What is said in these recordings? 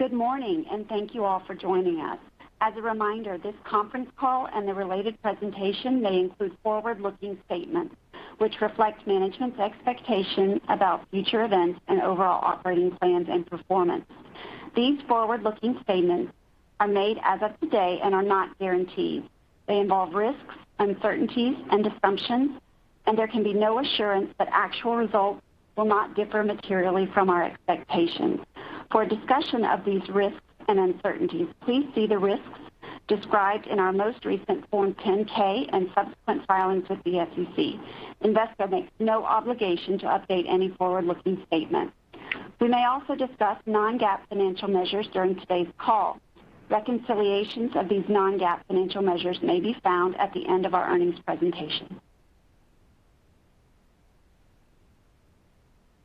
Good morning, and thank you all for joining us. As a reminder, this conference call and the related presentation may include forward-looking statements, which reflect management's expectations about future events and overall operating plans and performance. These forward-looking statements are made as of today and are not guarantees. They involve risks, uncertainties, and assumptions, and there can be no assurance that actual results will not differ materially from our expectations. For a discussion of these risks and uncertainties, please see the risks described in our most recent Form 10-K and subsequent filings with the SEC. Invesco makes no obligation to update any forward-looking statements. We may also discuss non-GAAP financial measures during today's call. Reconciliations of these non-GAAP financial measures may be found at the end of our earnings presentation.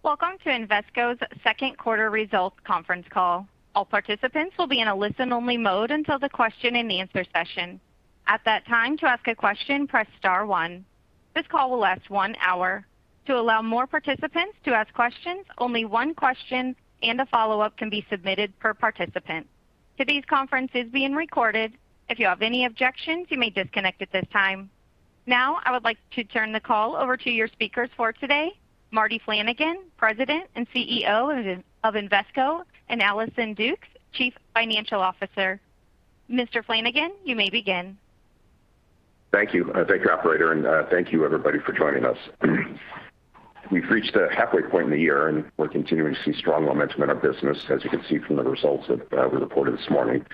Welcome to Invesco's second quarter results conference call. All participants will be in a listen-only mode until the question-and-answer session. At that time, to ask a question, press star one. This call will last one hour. To allow more participants to ask questions, only one question and a follow-up can be submitted per participant. Today's conference is being recorded. If you have any objections, you may disconnect at this time. Now, I would like to turn the call over to your speakers for today, Martin Flanagan, President and CEO of Invesco, and Allison Dukes, Chief Financial Officer. Mr. Flanagan, you may begin. Thank you. Thank you, operator, and thank you, everybody, for joining us. We've reached the halfway point in the year, and we're continuing to see strong momentum in our business as you can see from the results that we reported this morning.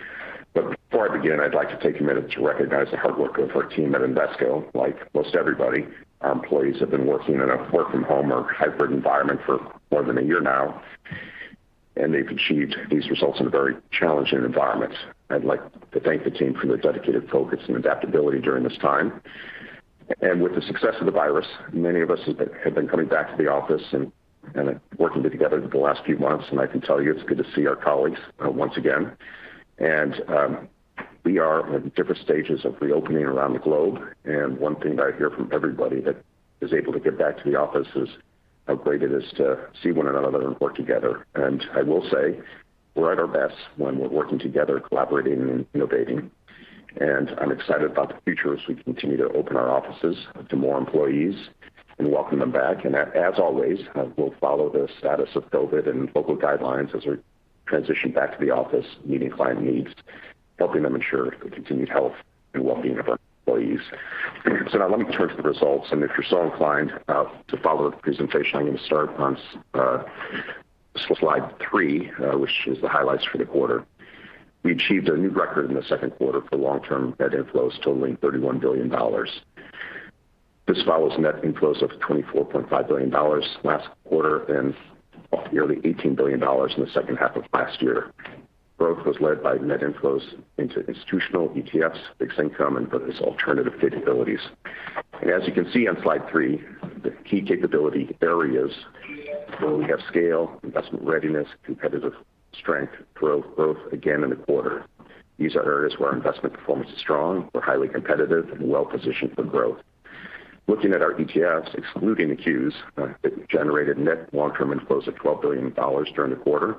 Before I begin, I'd like to take a minute to recognize the hard work of our team at Invesco. Like most everybody, our employees have been working in a work-from-home or hybrid environment for more than a year now, and they've achieved these results in a very challenging environment. I'd like to thank the team for their dedicated focus and adaptability during this time. With the success of the virus, many of us have been coming back to the office and working together the last few months, and I can tell you it's good to see our colleagues once again. We are at different stages of reopening around the globe, and one thing that I hear from everybody that is able to get back to the office is how great it is to see one another and work together. I will say we're at our best when we're working together, collaborating, and innovating. I'm excited about the future as we continue to open our offices to more employees and welcome them back. As always, we'll follow the status of COVID and local guidelines as we transition back to the office, meeting client needs, helping them ensure the continued health and well-being of our employees. Now let me turn to the results, and if you're so inclined to follow the presentation, I'm going to start on slide three which is the highlights for the quarter. We achieved a new record in the second quarter for long-term net inflows totaling $31 billion. This follows net inflows of $24.5 billion last quarter and nearly $18 billion in the second half of last year. Growth was led by net inflows into institutional ETFs, fixed income, and various alternative capabilities. As you can see on slide three, the key capability areas where we have scale, investment readiness, competitive strength, growth, again in the quarter. These are areas where our investment performance is strong. We're highly competitive and well-positioned for growth. Looking at our ETFs, excluding the Qs, it generated net long-term inflows of $12 billion during the quarter.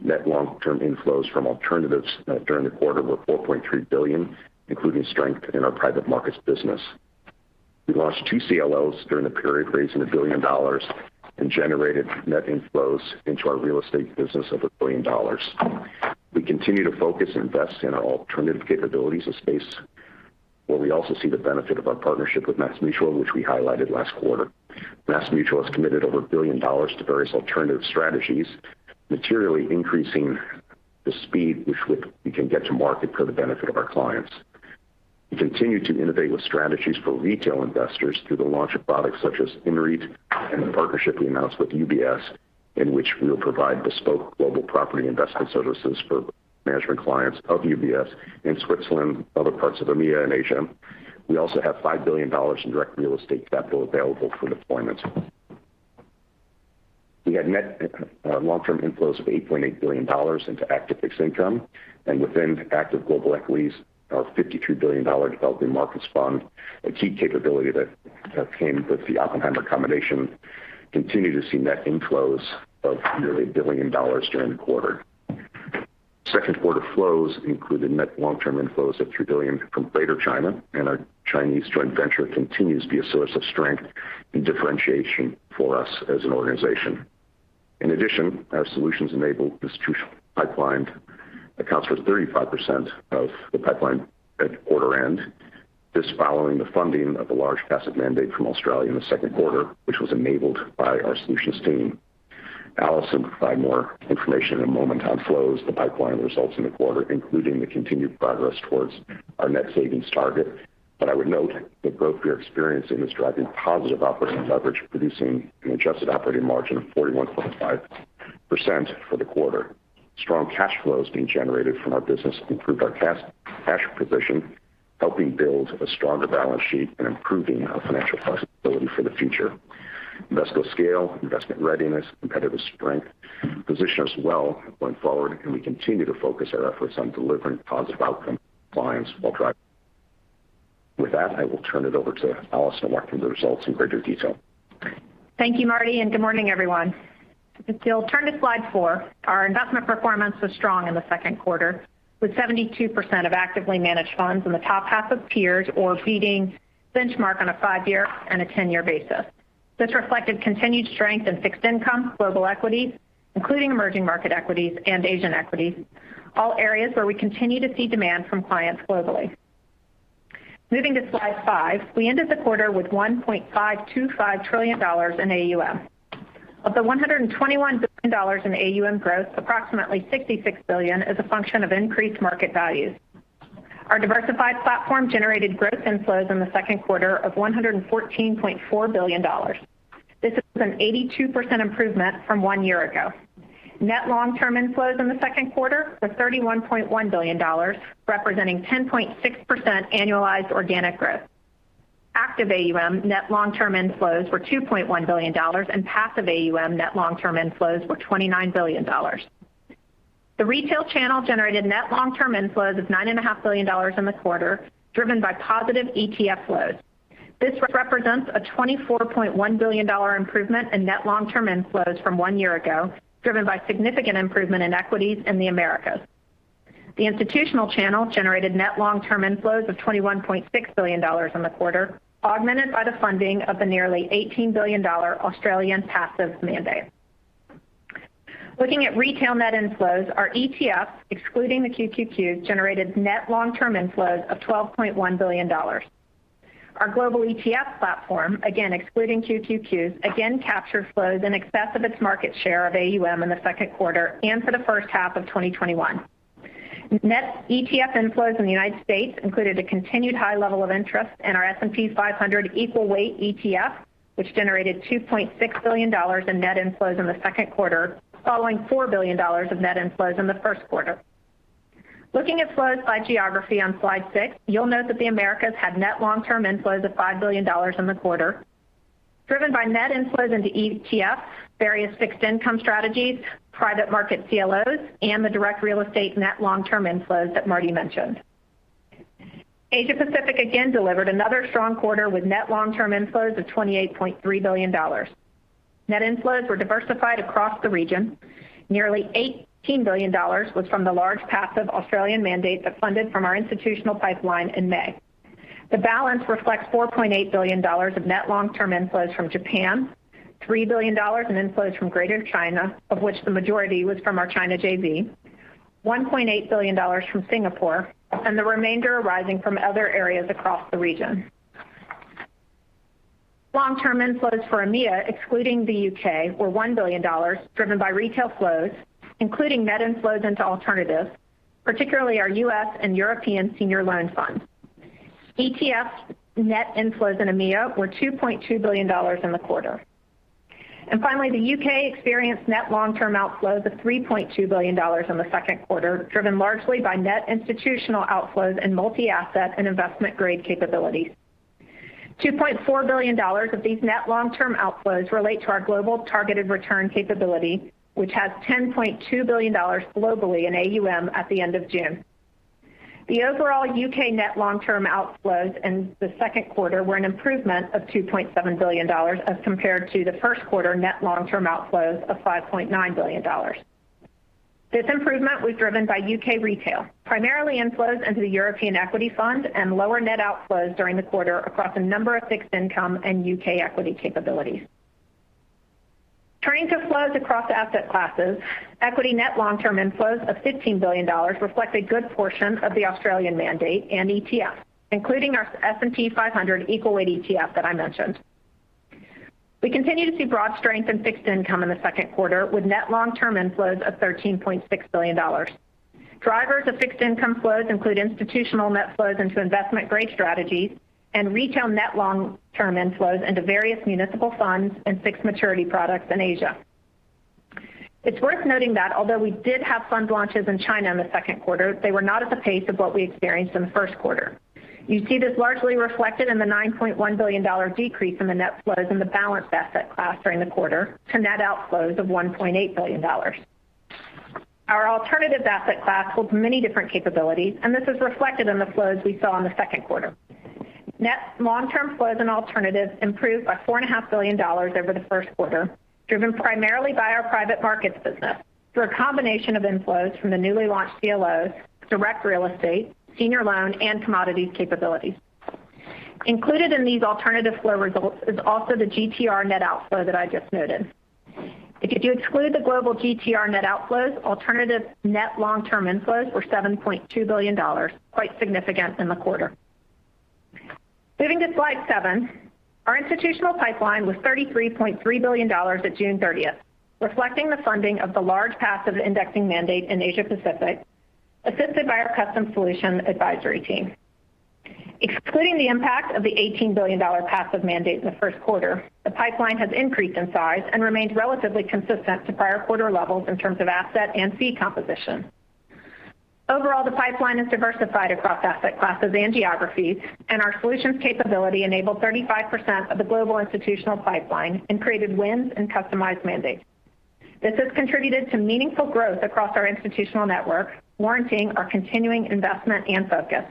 Net long-term inflows from alternatives during the quarter were $4.3 billion, including strength in our private markets business. We launched two CLOs during the period, raising $1 billion and generated net inflows into our real estate business of $1 billion. We continue to focus and invest in our alternative capabilities, a space where we also see the benefit of our partnership with MassMutual, which we highlighted last quarter. MassMutual has committed over $1 billion to various alternative strategies, materially increasing the speed with which we can get to market for the benefit of our clients. We continue to innovate with strategies for retail investors through the launch of products such as INREIT and the partnership we announced with UBS, in which we will provide bespoke global property investment services for management clients of UBS in Switzerland and other parts of EMEA and Asia. We also have $5 billion in direct real estate capital available for deployment. We had net long-term inflows of $8.8 billion into active fixed income. Within active global equities, our $52 billion developing markets fund, a key capability that came with the Oppenheimer combination, continued to see net inflows of nearly $1 billion during the quarter. Second quarter flows included net long-term inflows of $2 billion from Greater China and our Chinese joint venture continues to be a source of strength and differentiation for us as an organization. In addition, our solutions-enabled institutional pipeline accounts for 35% of the pipeline at quarter end. This following the funding of a large passive mandate from Australia in the second quarter, which was enabled by our solutions team. Allison will provide more information in a moment on flows, the pipeline results in the quarter, including the continued progress towards our net savings target. I would note the growth we are experiencing is driving positive operating leverage, producing an adjusted operating margin of 41.5% for the quarter. Strong cash flow is being generated from our business, improved our cash position, helping build a stronger balance sheet and improving our financial flexibility for the future. Invesco scale, investment readiness, competitive strength position us well going forward, and we continue to focus our efforts on delivering positive outcomes for clients. With that, I will turn it over to Allison to walk through the results in greater detail. Thank you, Martin, and good morning, everyone. If you'll turn to slide four, our investment performance was strong in the second quarter, with 72% of actively managed funds in the top half of peers or beating benchmark on a five-year and a 10-year basis. This reflected continued strength in fixed income, global equity, including emerging market equities and Asian equities, all areas where we continue to see demand from clients globally. Moving to slide five. We ended the quarter with $1.525 trillion in AUM. Of the $121 billion in AUM growth, approximately $66 billion is a function of increased market values. Our diversified platform generated growth inflows in the second quarter of $114.4 billion. This is an 82% improvement from one year ago. Net long-term inflows in the second quarter were $31.1 billion, representing 10.6% annualized organic growth. Active AUM net long-term inflows were $2.1 billion, and passive AUM net long-term inflows were $29 billion. The retail channel generated net long-term inflows of $9.5 billion in the quarter, driven by positive ETF flows. This represents a $24.1 billion improvement in net long-term inflows from one year ago, driven by significant improvement in equities in the Americas. The institutional channel generated net long-term inflows of $21.6 billion in the quarter, augmented by the funding of the nearly $18 billion Australian passive mandate. Looking at retail net inflows, our ETFs, excluding the QQQ, generated net long-term inflows of $12.1 billion. Our global ETF platform, again, excluding QQQ, again captured flows in excess of its market share of AUM in the second quarter and for the first half of 2021. Net ETF inflows in the U.S. included a continued high level of interest in our S&P 500 Equal Weight ETF, which generated $2.6 billion in net inflows in the second quarter, following $4 billion of net inflows in the first quarter. Looking at flows by geography on slide six, you'll note that the Americas had net long-term inflows of $5 billion in the quarter, driven by net inflows into ETFs, various fixed income strategies, private market CLOs, and the direct real estate net long-term inflows that Martin mentioned. Asia Pacific again delivered another strong quarter with net long-term inflows of $28.3 billion. Net inflows were diversified across the region. Nearly $18 billion was from the large passive Australian mandate that funded from our institutional pipeline in May. The balance reflects $4.8 billion of net long-term inflows from Japan, $3 billion in inflows from Greater China, of which the majority was from our China JV, $1.8 billion from Singapore, the remainder arising from other areas across the region. Long-term inflows for EMEA, excluding the U.K., were $1 billion, driven by retail flows, including net inflows into alternatives, particularly our US and European Senior Loan Fund. ETFs net inflows into EMEA were $2.2 billion in the quarter. Finally, the U.K. experienced net long-term outflows of $3.2 billion in the second quarter, driven largely by net institutional outflows in multi-asset and investment-grade capabilities. $2.4 billion of these net long-term outflows relate to our Global Targeted Return capability, which has $10.2 billion globally in AUM at the end of June. The overall U.K. net long-term outflows in the second quarter were an improvement of $2.7 billion as compared to the first quarter net long-term outflows of $5.9 billion. This improvement was driven by U.K. retail, primarily inflows into the European Equity Fund and lower net outflows during the quarter across a number of fixed income and U.K. equity capabilities. Turning to flows across asset classes, equity net long-term inflows of $15 billion reflect a good portion of the Australian mandate and ETF, including our S&P 500 Equal Weight ETF that I mentioned. We continue to see broad strength in fixed income in the second quarter, with net long-term inflows of $13.6 billion. Drivers of fixed income flows include institutional net flows into investment-grade strategies and retail net long-term inflows into various municipal funds and fixed maturity products in Asia. It's worth noting that although we did have fund launches in China in the second quarter, they were not at the pace of what we experienced in the first quarter. You see this largely reflected in the $9.1 billion decrease in the net flows in the balanced asset class during the quarter to net outflows of $1.8 billion. Our alternative asset class holds many different capabilities, and this is reflected in the flows we saw in the second quarter. Net long-term flows and alternatives improved by $4.5 billion over the first quarter, driven primarily by our private markets business through a combination of inflows from the newly launched CLOs, direct real estate, senior loan, and commodities capabilities. Included in these alternative flow results is also the GTR net outflow that I just noted. If you do exclude the global GTR net outflows, alternative net long-term inflows were $7.2 billion, quite significant in the quarter. Moving to slide seven. Our institutional pipeline was $33.3 billion at June 30th, reflecting the funding of the large passive indexing mandate in Asia Pacific, assisted by our Custom Solutions Advisory team. Excluding the impact of the $18 billion passive mandate in the first quarter, the pipeline has increased in size and remains relatively consistent to prior quarter levels in terms of asset and fee composition. Overall, the pipeline is diversified across asset classes and geographies, our solutions capability enabled 35% of the global institutional pipeline and created wins in customized mandates. This has contributed to meaningful growth across our institutional network, warranting our continuing investment and focus.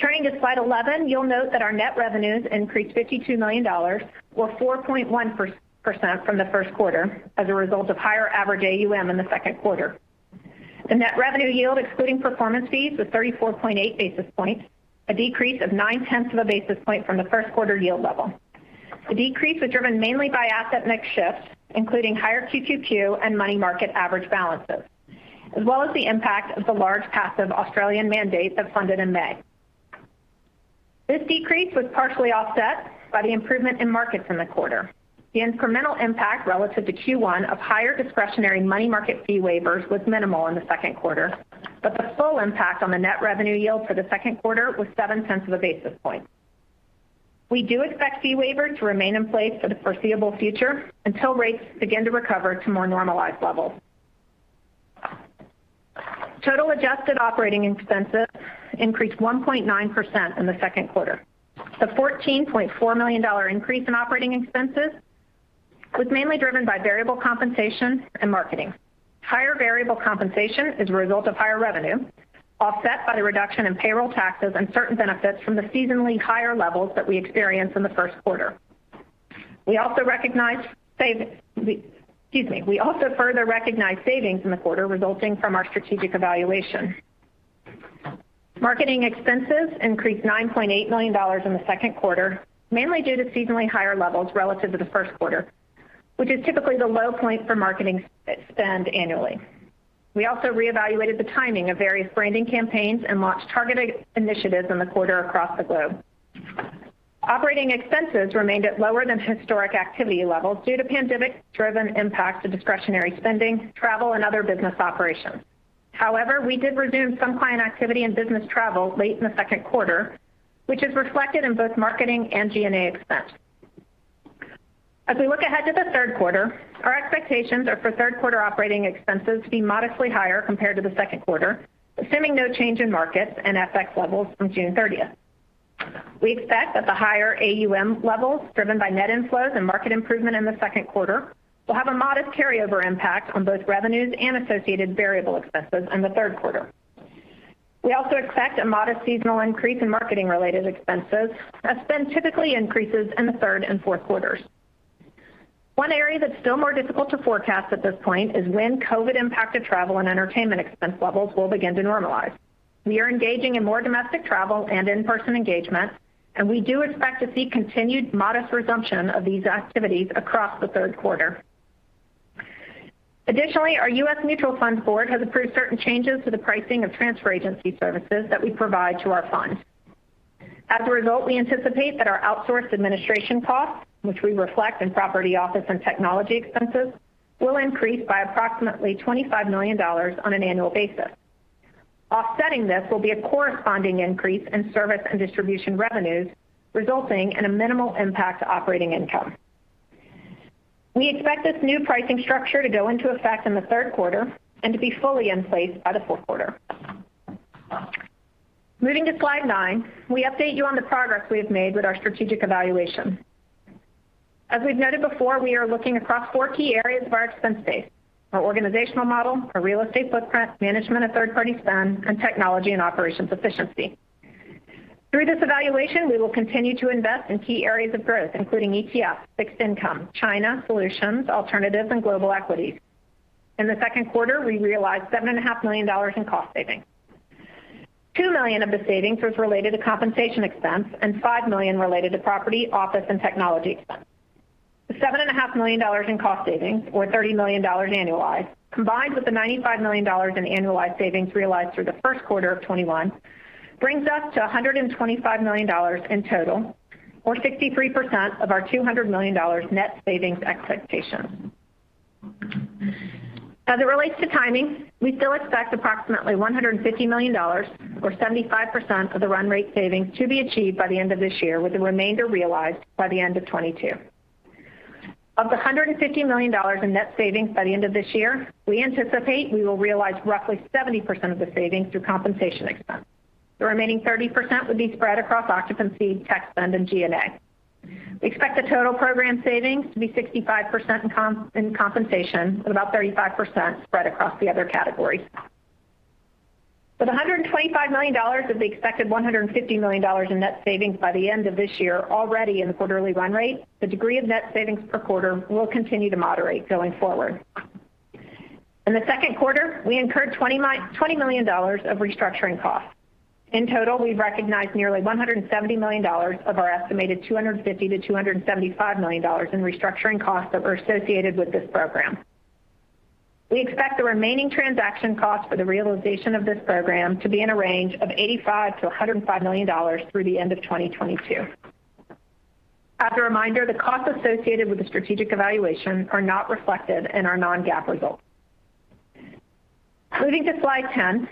Turning to slide 11, you'll note that our net revenues increased $52 million, or 4.1% from the first quarter as a result of higher average AUM in the second quarter. The net revenue yield excluding performance fees was 34.8 basis points, a decrease of 0.9 basis points from the first quarter yield level. The decrease was driven mainly by asset mix shifts, including higher QQQ and money market average balances, as well as the impact of the large passive Australian mandate that funded in May. This decrease was partially offset by the improvement in markets in the quarter. The incremental impact relative to Q1 of higher discretionary money market fee waivers was minimal in the second quarter, but the full impact on the net revenue yield for the second quarter was 0.7 basis points. We do expect fee waiver to remain in place for the foreseeable future until rates begin to recover to more normalized levels. Total adjusted operating expenses increased 1.9% in the second quarter. The $14.4 million increase in operating expenses was mainly driven by variable compensation and marketing. Higher variable compensation is a result of higher revenue, offset by the reduction in payroll taxes and certain benefits from the seasonally higher levels that we experienced in the first quarter. We also further recognized savings in the quarter resulting from our strategic evaluation. Marketing expenses increased $9.8 million in the second quarter, mainly due to seasonally higher levels relative to the first quarter, which is typically the low point for marketing spend annually. We also reevaluated the timing of various branding campaigns and launched targeted initiatives in the quarter across the globe. Operating expenses remained at lower than historic activity levels due to pandemic-driven impacts to discretionary spending, travel, and other business operations. However, we did resume some client activity and business travel late in the second quarter, which is reflected in both marketing and G&A expense. As we look ahead to the third quarter, our expectations are for third quarter operating expenses to be modestly higher compared to the second quarter, assuming no change in markets and FX levels from June 30th. We expect that the higher AUM levels driven by net inflows and market improvement in the second quarter will have a modest carryover impact on both revenues and associated variable expenses in the third quarter. We also expect a modest seasonal increase in marketing-related expenses as spend typically increases in the third and fourth quarters. One area that's still more difficult to forecast at this point is when COVID-impacted travel and entertainment expense levels will begin to normalize. We are engaging in more domestic travel and in-person engagement, we do expect to see continued modest resumption of these activities across the third quarter. Additionally, our US Mutual Funds board has approved certain changes to the pricing of transfer agency services that we provide to our funds. As a result, we anticipate that our outsourced administration costs, which we reflect in property office and technology expenses, will increase by approximately $25 million on an annual basis. Offsetting this will be a corresponding increase in service and distribution revenues, resulting in a minimal impact to operating income. We expect this new pricing structure to go into effect in the third quarter and to be fully in place by the fourth quarter. Moving to slide nine, we update you on the progress we have made with our strategic evaluation. As we've noted before, we are looking across four key areas of our expense base. Our organizational model, our real estate footprint, management of third-party spend, and technology and operations efficiency. Through this evaluation, we will continue to invest in key areas of growth, including ETFs, fixed income, China, solutions, alternatives, and global equities. In the second quarter, we realized $7.5 million in cost savings. $2 million of the savings was related to compensation expense and $5 million related to property, office, and technology expense. The $7.5 million in cost savings, or $30 million annualized, combined with the $95 million in annualized savings realized through the first quarter of 2021 brings us to $125 million in total, or 63% of our $200 million net savings expectation. As it relates to timing, we still expect approximately $150 million, or 75%, of the run rate savings to be achieved by the end of this year, with the remainder realized by the end of 2022. Of the $150 million in net savings by the end of this year, we anticipate we will realize roughly 70% of the savings through compensation expense. The remaining 30% would be spread across occupancy, tech spend, and G&A. We expect the total program savings to be 65% in compensation and about 35% spread across the other categories. With $125 million of the expected $150 million in net savings by the end of this year already in the quarterly run rate, the degree of net savings per quarter will continue to moderate going forward. In the second quarter, we incurred $20 million of restructuring costs. In total, we've recognized nearly $170 million of our estimated $250 million-$275 million in restructuring costs that were associated with this program. We expect the remaining transaction costs for the realization of this program to be in a range of $85 million-$105 million through the end of 2022. As a reminder, the costs associated with the strategic evaluation are not reflected in our non-GAAP results. Moving to slide 10,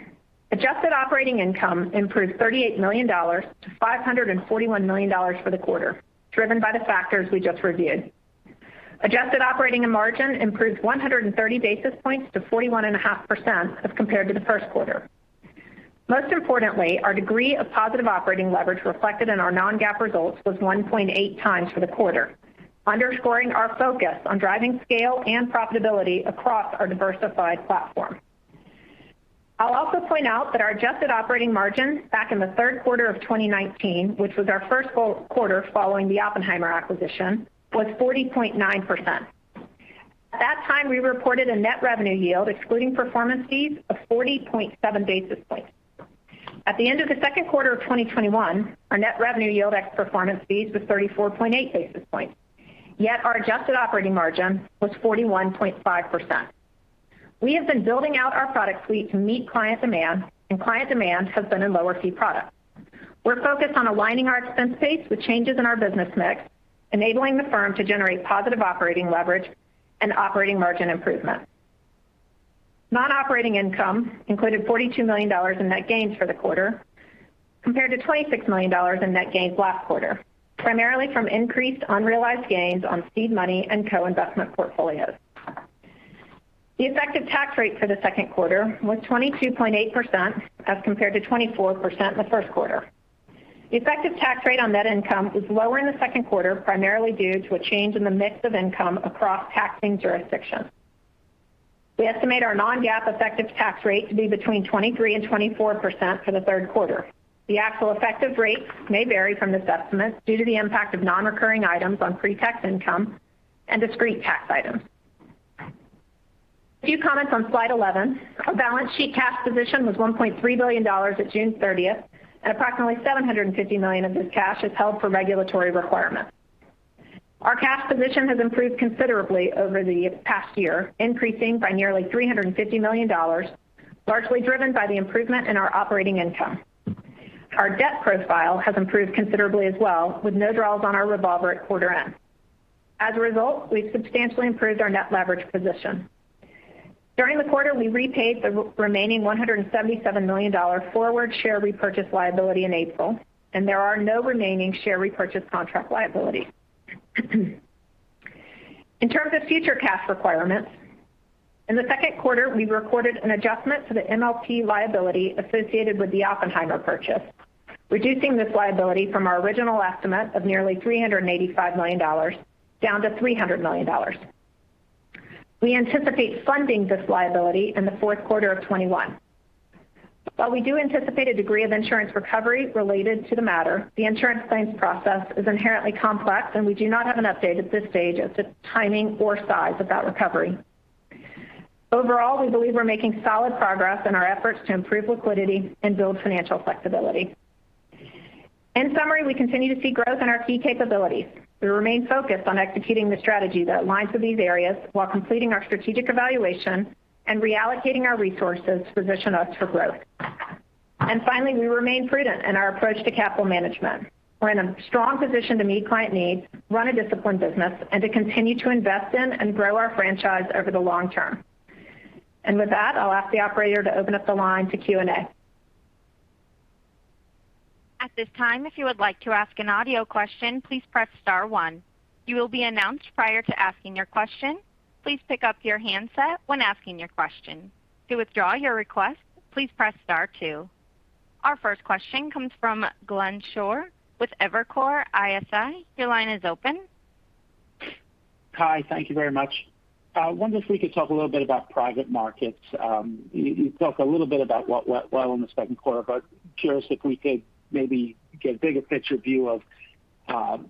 adjusted operating income improved $38 million-$541 million for the quarter, driven by the factors we just reviewed. Adjusted operating margin improved 130 basis points to 41.5% as compared to the first quarter. Most importantly, our degree of positive operating leverage reflected in our non-GAAP results was 1.8x for the quarter, underscoring our focus on driving scale and profitability across our diversified platform. I'll also point out that our adjusted operating margin back in the third quarter of 2019, which was our first full quarter following the Oppenheimer acquisition, was 40.9%. At that time, we reported a net revenue yield excluding performance fees of 40.7 basis points. At the end of the second quarter of 2021, our net revenue yield ex performance fees was 34.8 basis points. Our adjusted operating margin was 41.5%. We have been building out our product suite to meet client demand, and client demand has been in lower fee products. We're focused on aligning our expense base with changes in our business mix, enabling the firm to generate positive operating leverage and operating margin improvement. Non-operating income included $42 million in net gains for the quarter, compared to $26 million in net gains last quarter, primarily from increased unrealized gains on seed money and co-investment portfolios. The effective tax rate for the second quarter was 22.8%, as compared to 24% in the first quarter. The effective tax rate on net income was lower in the second quarter, primarily due to a change in the mix of income across taxing jurisdictions. We estimate our non-GAAP effective tax rate to be between 23% and 24% for the third quarter. The actual effective rate may vary from this estimate due to the impact of non-recurring items on pre-tax income and discrete tax items. A few comments on slide 11. Our balance sheet cash position was $1.3 billion at June 30th, approximately $750 million of this cash is held for regulatory requirements. Our cash position has improved considerably over the past year, increasing by nearly $350 million, largely driven by the improvement in our operating income. Our debt profile has improved considerably as well, with no draws on our revolver at quarter end. As a result, we've substantially improved our net leverage position. During the quarter, we repaid the remaining $177 million forward share repurchase liability in April, and there are no remaining share repurchase contract liabilities. In terms of future cash requirements, in the second quarter, we recorded an adjustment to the MLP liability associated with the Oppenheimer purchase, reducing this liability from our original estimate of nearly $385 million down to $300 million. We anticipate funding this liability in the fourth quarter of 2021. While we do anticipate a degree of insurance recovery related to the matter, the insurance claims process is inherently complex, and we do not have an update at this stage as to timing or size of that recovery. Overall, we believe we're making solid progress in our efforts to improve liquidity and build financial flexibility. In summary, we continue to see growth in our key capabilities. We remain focused on executing the strategy that aligns with these areas while completing our strategic evaluation and reallocating our resources to position us for growth. Finally, we remain prudent in our approach to capital management. We're in a strong position to meet client needs, run a disciplined business, and to continue to invest in and grow our franchise over the long-term. With that, I'll ask the operator to open up the line to Q&A. Our first question comes from Glenn Schorr with Evercore ISI. Your line is open. Hi. Thank you very much. I wonder if we could talk a little bit about private markets. You talked a little bit about what went well in the second quarter. Curious if we could maybe get a bigger picture view of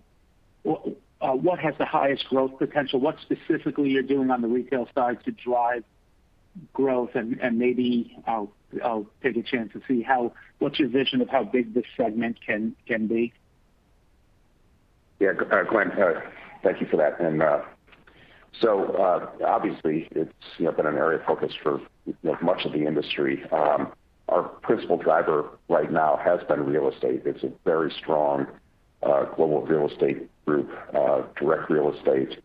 what has the highest growth potential, what specifically you're doing on the retail side to drive growth. Maybe I'll take a chance to see what's your vision of how big this segment can be? Yeah, Glenn, thank you for that. Obviously it's been an area of focus for much of the industry. Our principal driver right now has been real estate. It's a very strong global real estate group, direct real estate.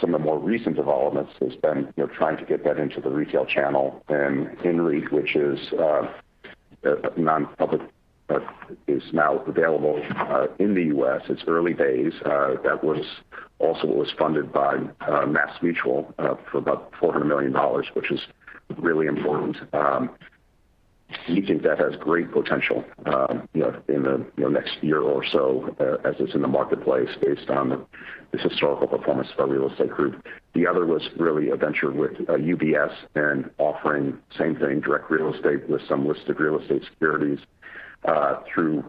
Some of the more recent developments has been trying to get that into the retail channel. INREIT, which is non-public, is now available in the U.S. It's early days. That was also what was funded by MassMutual for about $400 million, which is really important. We think that has great potential in the next year or so as it's in the marketplace based on the historical performance of our real estate group. The other was really a venture with UBS and offering same thing, direct real estate with some listed real estate securities through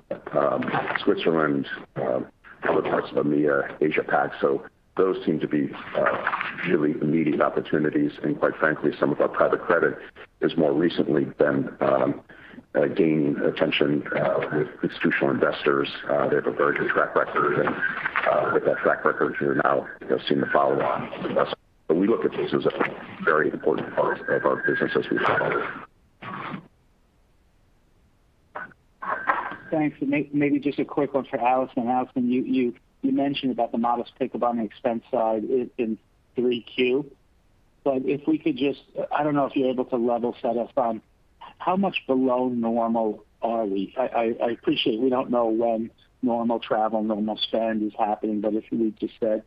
Switzerland, other parts of EMEA, Asia Pac. Those seem to be really immediate opportunities. Quite frankly, some of our private credit has more recently been gaining attention with institutional investors. They have a very good track record, and with that track record, we're now seeing the follow on with us. We look at this as a very important part of our business as we go forward. Thanks. Maybe just a quick one for Allison. Allison, you mentioned about the modest pickup on the expense side in 3Q. If we could just, I don't know if you're able to level set us on how much below normal are we? I appreciate we don't know when normal travel, normal spend is happening, but if you could just say.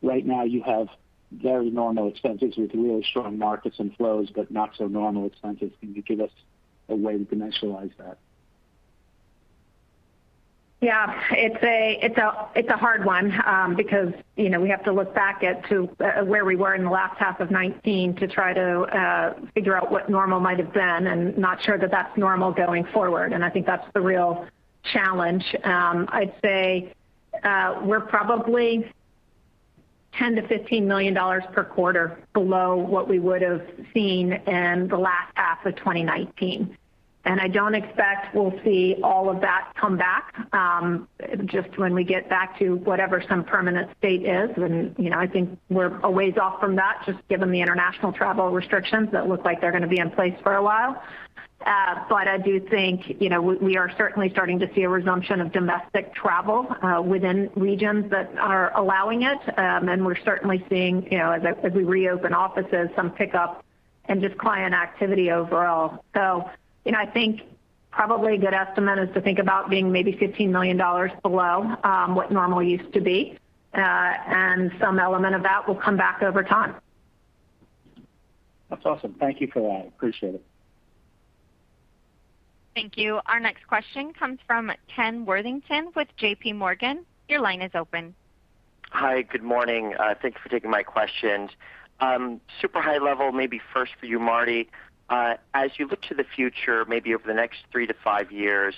Right now you have very normal expenses with really strong markets and flows, but not so normal expenses. Can you give us a way to dimensionalize that? It's a hard one, because we have to look back at to where we were in the last half of 2019 to try to figure out what normal might have been. Not sure that that's normal going forward. I think that's the real challenge. I'd say we're probably $10 million-$15 million per quarter below what we would've seen in the last half of 2019. I don't expect we'll see all of that come back, just when we get back to whatever some permanent state is. I think we're a ways off from that, just given the international travel restrictions that look like they're going to be in place for a while. I do think, we are certainly starting to see a resumption of domestic travel within regions that are allowing it. We're certainly seeing, as we reopen offices, some pickup and just client activity overall. I think probably a good estimate is to think about being maybe $15 million below what normal used to be. Some element of that will come back over time. That's awesome. Thank you for that. Appreciate it. Thank you. Our next question comes from Ken Worthington with J.P. Morgan. Your line is open. Hi. Good morning. Thank you for taking my questions. Super high level, maybe first for you, Martin. As you look to the future, maybe over the next three to five years,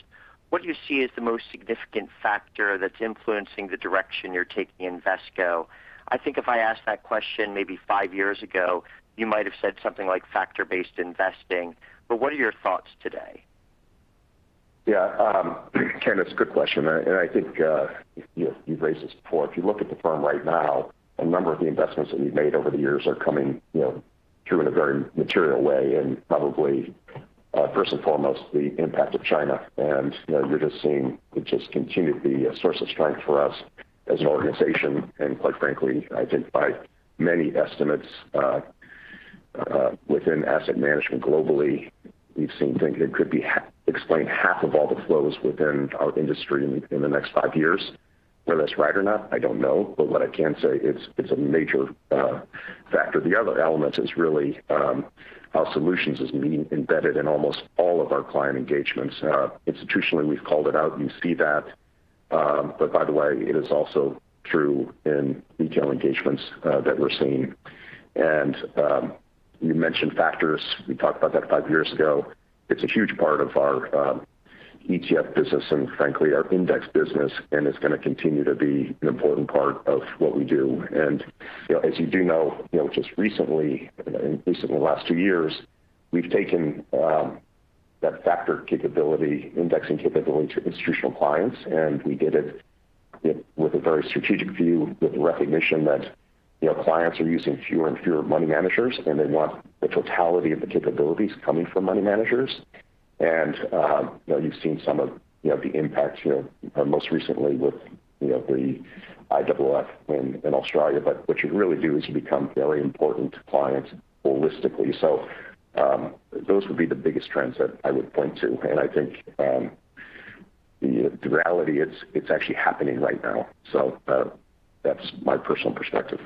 what do you see as the most significant factor that's influencing the direction you're taking Invesco? I think if I asked that question maybe five years ago, you might have said something like factor-based investing, but what are your thoughts today? Yeah. Ken, it's a good question. I think you've raised this before. If you look at the firm right now, a number of the investments that we've made over the years are coming through in a very material way. Probably, first and foremost, the impact of China. You're just seeing it just continue to be a source of strength for us as an organization. Quite frankly, I think by many estimates within asset management globally, we've seen things that could explain half of all the flows within our industry in the next five years. Whether that's right or not, I don't know, but what I can say, it's a major factor. The other element is really how solutions is being embedded in almost all of our client engagements. Institutionally, we've called it out, you see that. By the way, it is also true in retail engagements that we're seeing. You mentioned factors. We talked about that five years ago. It's a huge part of our ETF business and frankly our index business. It's going to continue to be an important part of what we do. As you do know, just recently, at least in the last two years, we've taken that factor capability, indexing capability to institutional clients. We did it with a very strategic view, with the recognition that clients are using fewer and fewer money managers, and they want the totality of the capabilities coming from money managers. You've seen some of the impact here most recently with the IOOF in Australia. What you really do is you become very important to clients holistically. Those would be the biggest trends that I would point to. I think the reality is it's actually happening right now. That's my personal perspective.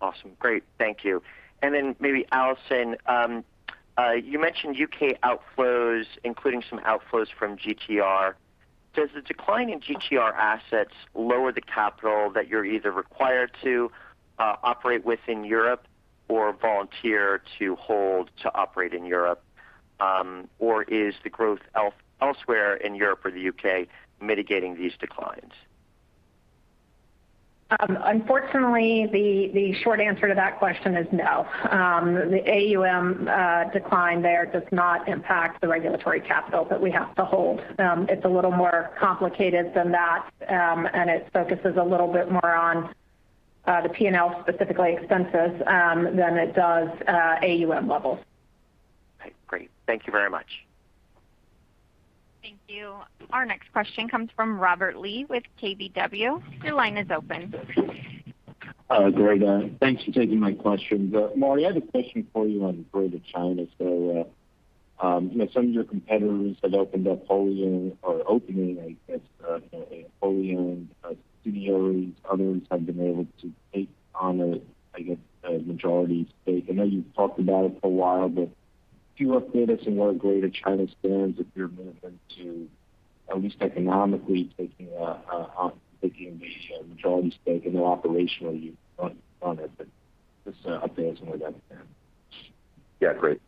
Awesome. Great. Thank you. Then maybe Allison, you mentioned U.K. outflows, including some outflows from GTR. Does the decline in GTR assets lower the capital that you're either required to operate within Europe or volunteer to hold to operate in Europe? Or is the growth elsewhere in Europe or the U.K. mitigating these declines? Unfortunately, the short answer to that question is no. The AUM decline there does not impact the regulatory capital that we have to hold. It's a little more complicated than that. It focuses a little bit more on the P&L, specifically expenses, than it does AUM levels. Okay, great. Thank you very much. Thank you. Our next question comes from Robert Lee with KBW. Your line is open. Great. Thanks for taking my questions. Martin, I had a question for you on Greater China. Some of your competitors have opened up wholly owned, or are opening, I guess, a wholly owned subsidiary. Others have been able to take on a, I guess, a majority stake. I know you've talked about it for a while, but could you update us on where Greater China stands with your movement to at least economically taking a majority stake? I know operationally you've done it, but just update us on where that stands. Yeah, great.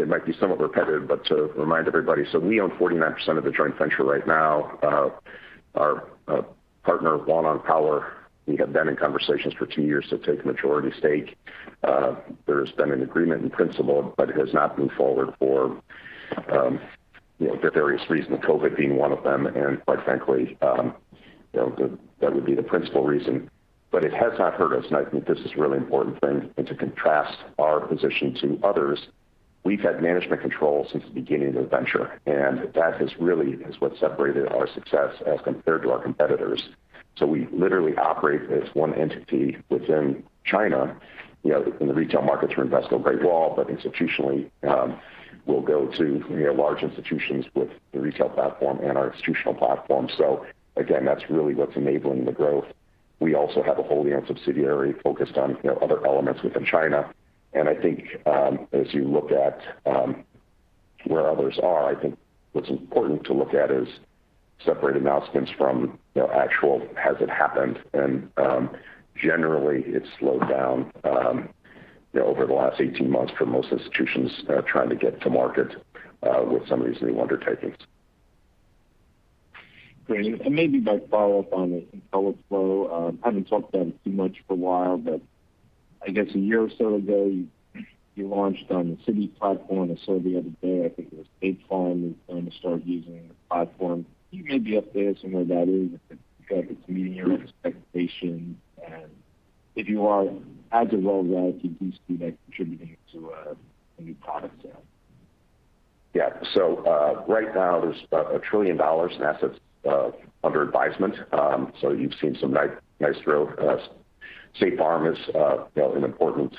It might be somewhat repetitive, but to remind everybody, we own 49% of the joint venture right now. Our partner, Huaneng Power, we have been in conversations for two years to take majority stake. There has been an agreement in principle, but it has not moved forward for the various reasons, COVID being one of them. Quite frankly, that would be the principal reason. It has not hurt us. I think this is a really important thing. To contrast our position to others, we've had management control since the beginning of the venture. That really is what separated our success as compared to our competitors. We literally operate as one entity within China in the retail markets for Invesco Great Wall, but institutionally we'll go to large institutions with the retail platform and our institutional platform. Again, that's really what's enabling the growth. We also have a wholly owned subsidiary focused on other elements within China, and I think as you look at where others are, I think what's important to look at is separate announcements from the actual has it happened. Generally, it's slowed down over the last 18 months for most institutions trying to get to market with some of these new undertakings. Great. Maybe if I follow up on the Intelliflo. Haven't talked about it too much for a while, but I guess a year or so ago, you launched on the Citi platform. I saw the other day, I think it was State Farm is going to start using the platform. You may be up there somewhere. That is, if it's meeting your expectations. If you are, as well as that, do you see that contributing to a new product sale? Right now there's $1 trillion in assets under advisement. You've seen some nice growth. State Farm is an important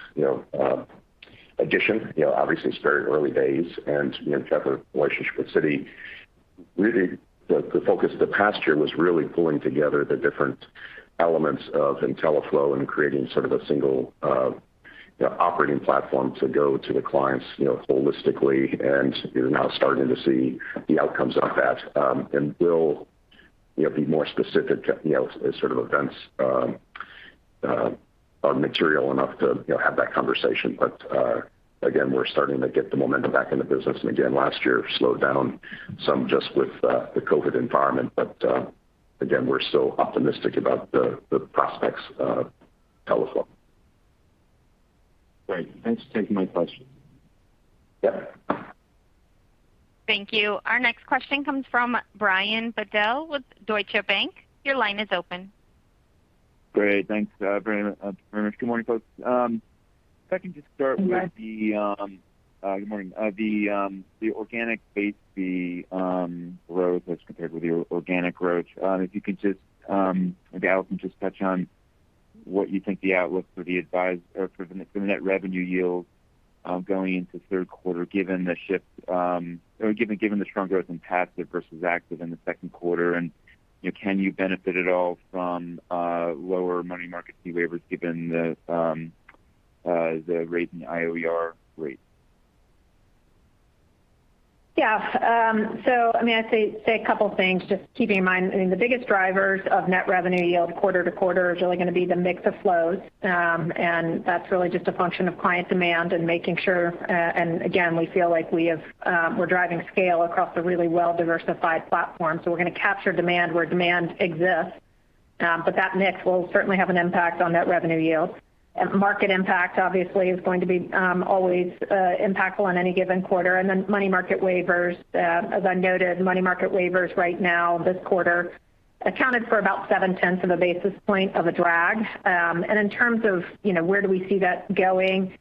addition. Obviously it's very early days and in when you track our relationship with Citi, really the focus of the past year was really pulling together the different elements of Intelliflo and creating sort of a single operating platform to go to the clients holistically. You're now starting to see the outcomes of that. We'll be more specific as sort of events are material enough to have that conversation. Again, we're starting to get the momentum back in the business. Again, last year slowed down some just with the COVID environment. Again, we're still optimistic about the prospects of Intelliflo. Great. Thanks for taking my question. Yeah. Thank you. Our next question comes from Brian Bedell with Deutsche Bank. Your line is open. Great, thanks very much. Good morning, folks. Good morning. Good morning. The organic fee growth as compared with the organic growth. If you could just, maybe Allison just touch on what you think the outlook for the net revenue yield going into third quarter, given the strong growth in passive versus active in the second quarter. Can you benefit at all from lower money market fee waivers given the rate in the IOER rate? Yeah. I'd say a couple of things, just keeping in mind, the biggest drivers of net revenue yield quarter-to-quarter is really going to be the mix of flows. That's really just a function of client demand and making sure, and again, we feel like we're driving scale across a really well-diversified platform. We're going to capture demand where demand exists. That mix will certainly have an impact on net revenue yield. Market impact obviously is going to be always impactful on any given quarter. Then money market waivers, as I noted, money market waivers right now this quarter accounted for about 0.7 of a basis point of a drag. In terms of where do we see that going?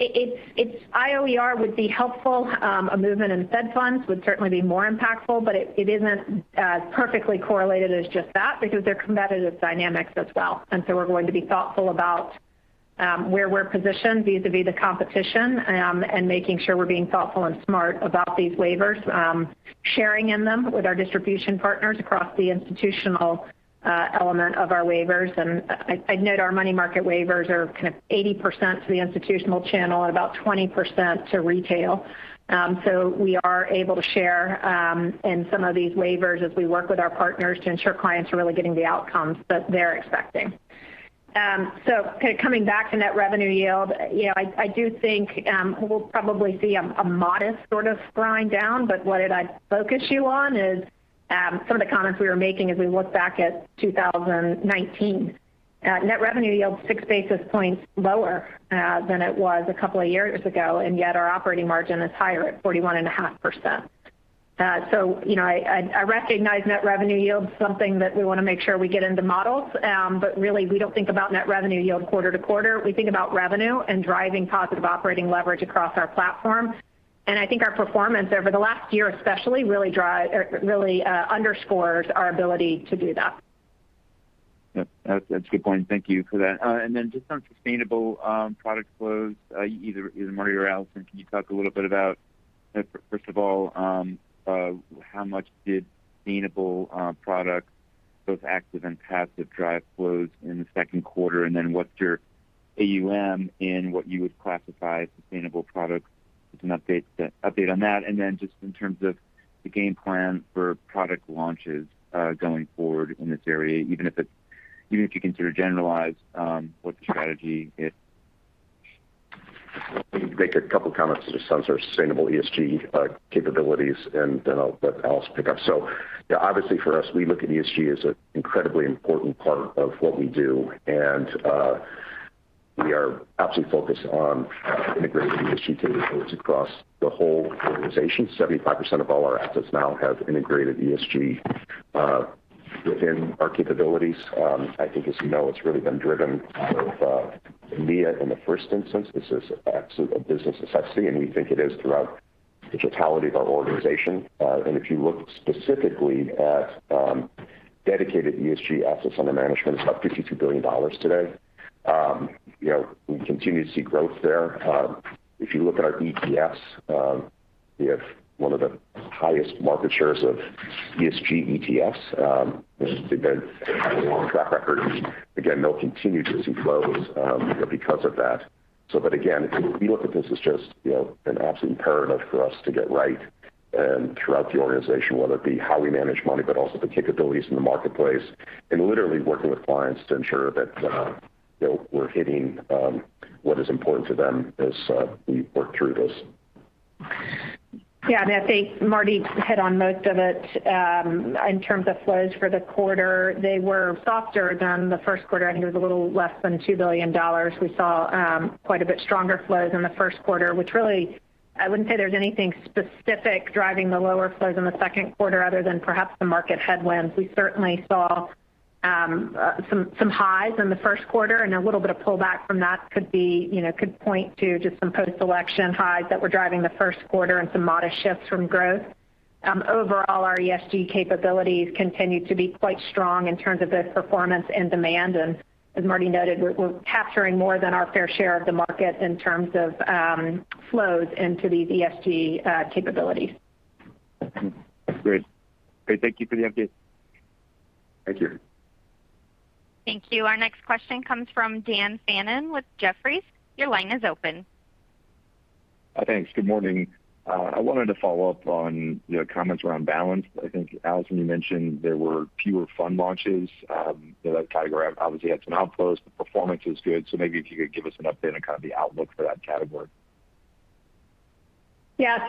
IOER would be helpful. A movement in Federal funds would certainly be more impactful, but it isn't as perfectly correlated as just that, because they're competitive dynamics as well. We're going to be thoughtful about where we're positioned vis-a-vis the competition and making sure we're being thoughtful and smart about these waivers, sharing in them with our distribution partners across the institutional element of our waivers. I'd note our money market waivers are kind of 80% to the institutional channel and about 20% to retail. We are able to share in some of these waivers as we work with our partners to ensure clients are really getting the outcomes that they're expecting. Coming back to net revenue yield, I do think we'll probably see a modest sort of grind down, but what did I focus you on is some of the comments we were making as we look back at 2019. Net revenue yield is 6 basis points lower than it was a couple of years ago, and yet our operating margin is higher at 41.5%. I recognize net revenue yield is something that we want to make sure we get into models. Really we don't think about net revenue yield quarter-to-quarter. We think about revenue and driving positive operating leverage across our platform. I think our performance over the last year especially really underscores our ability to do that. Yep. That's a good point. Thank you for that. Just on sustainable product flows, either Martin or Allison, can you talk a little bit about, first of all, how much did sustainable products, both active and passive, drive flows in the second quarter, and then what's your AUM in what you would classify as sustainable products? Just an update on that. Just in terms of the game plan for product launches going forward in this area, even if you can sort of generalize what the strategy is. Let me make a couple comments just on sort of sustainable ESG capabilities, and then I'll let Allison pick up. Yeah, obviously for us, we look at ESG as an incredibly important part of what we do. We are absolutely focused on integrating ESG capabilities across the whole organization. 75% of all our assets now have integrated ESG within our capabilities. I think as you know it's really been driven out of EMEA in the first instance. This is a business necessity, and we think it is throughout the totality of our organization. If you look specifically at dedicated ESG assets under management, it's about $52 billion today. We continue to see growth there. If you look at our ETFs, we have one of the highest market shares of ESG ETFs. This has been a long track record. Again, they'll continue to see flows because of that. Again, if you look at this as just an absolute imperative for us to get right throughout the organization, whether it be how we manage money, but also the capabilities in the marketplace, and literally working with clients to ensure that we're hitting what is important to them as we work through this. I think Martin hit on most of it. In terms of flows for the quarter, they were softer than the first quarter. I think it was a little less than $2 billion. We saw quite a bit stronger flows in the first quarter, which really, I wouldn't say there's anything specific driving the lower flows in the second quarter other than perhaps the market headwinds. We certainly saw some highs in the first quarter and a little bit of pullback from that could point to just some post-election highs that were driving the first quarter and some modest shifts from growth. Overall, our ESG capabilities continue to be quite strong in terms of both performance and demand. As Martin noted, we're capturing more than our fair share of the market in terms of flows into these ESG capabilities. Great. Thank you for the update. Thank you. Thank you. Our next question comes from Daniel Fannon with Jefferies. Your line is open. Thanks. Good morning. I wanted to follow up on your comments around balance. I think, Allison, you mentioned there were fewer fund launches. That category obviously had some outflows. The performance was good. Maybe if you could give us an update on kind of the outlook for that category. Yes.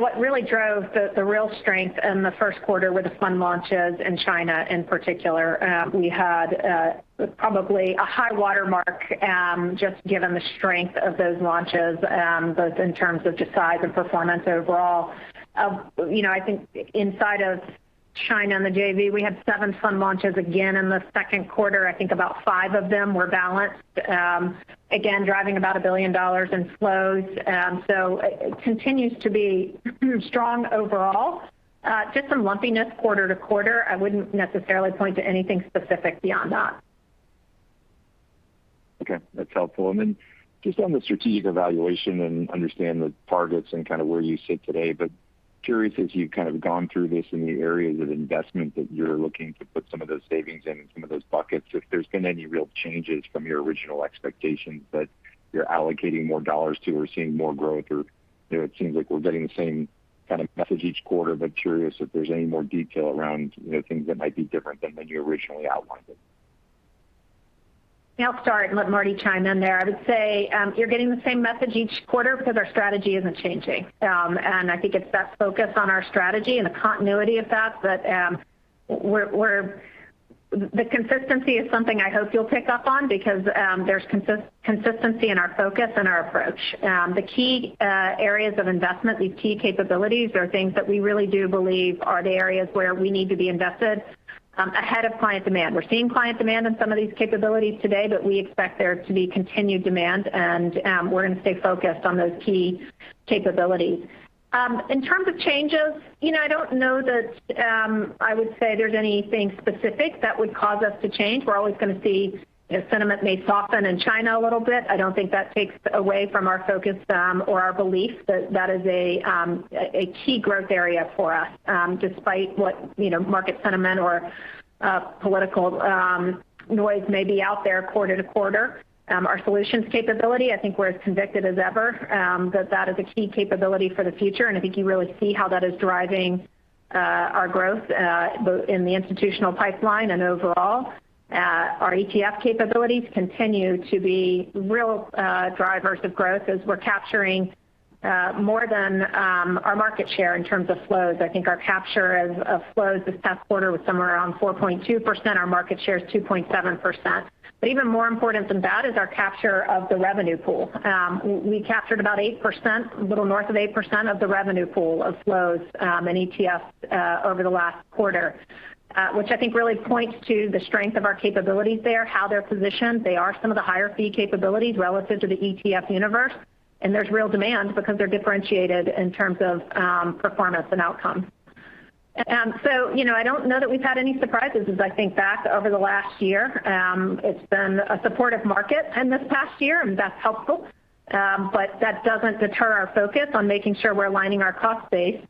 What really drove the real strength in the first quarter were the fund launches in China in particular. We had probably a high watermark, just given the strength of those launches, both in terms of just size and performance overall. I think inside of China and the JV, we had seven fund launches again in the second quarter. I think about five of them were balanced, again, driving about $1 billion in flows. It continues to be strong overall. Just some lumpiness quarter-to-quarter. I wouldn't necessarily point to anything specific beyond that. Okay. That's helpful. Then just on the strategic evaluation and understand the targets and kind of where you sit today, but curious as you've kind of gone through this in the areas of investment that you're looking to put some of those savings in and some of those buckets, if there's been any real changes from your original expectations that you're allocating more dollars to or seeing more growth or it seems like we're getting the same kind of message each quarter, but curious if there's any more detail around things that might be different than you originally outlined. Yeah. I'll start and let Martin chime in there. I would say, you're getting the same message each quarter because our strategy isn't changing. I think it's that focus on our strategy and the continuity of that. The consistency is something I hope you'll pick up on because there's consistency in our focus and our approach. The key areas of investment, these key capabilities are things that we really do believe are the areas where we need to be invested ahead of client demand. We're seeing client demand in some of these capabilities today, but we expect there to be continued demand, and we're going to stay focused on those key capabilities. In terms of changes, I don't know that I would say there's anything specific that would cause us to change. We're always going to see sentiment may soften in China a little bit. I don't think that takes away from our focus or our belief that that is a key growth area for us, despite what market sentiment or political noise may be out there quarter-to-quarter. Our solutions capability, I think we're as convicted as ever that that is a key capability for the future, and I think you really see how that is driving our growth both in the institutional pipeline and overall. Our ETF capabilities continue to be real drivers of growth as we're capturing more than our market share in terms of flows. I think our capture of flows this past quarter was somewhere around 4.2%. Our market share is 2.7%. But even more important than that is our capture of the revenue pool. We captured about 8%, a little north of 8% of the revenue pool of flows in ETFs over the last quarter, which I think really points to the strength of our capabilities there, how they're positioned. They are some of the higher fee capabilities relative to the ETF universe. There's real demand because they're differentiated in terms of performance and outcome. I don't know that we've had any surprises as I think back over the last year. It's been a supportive market in this past year, and that's helpful. That doesn't deter our focus on making sure we're aligning our cost base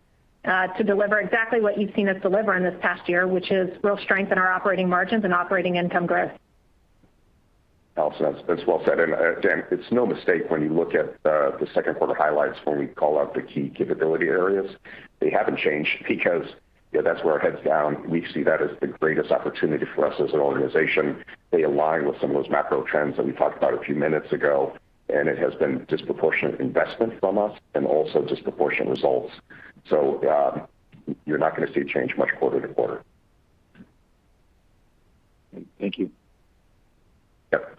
to deliver exactly what you've seen us deliver in this past year, which is real strength in our operating margins and operating income growth. Allison, that's well said. Dan, it's no mistake when you look at the second quarter highlights where we call out the key capability areas. They haven't changed because that's where our head's down. We see that as the greatest opportunity for us as an organization. They align with some of those macro trends that we talked about a few minutes ago, and it has been disproportionate investment from us and also disproportionate results. You're not going to see a change much quarter-to-quarter. Thank you. Yep.